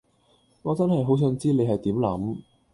我真係好想知你係點諗